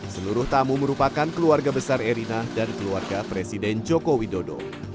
seluruh tamu merupakan keluarga besar erina dan keluarga presiden joko widodo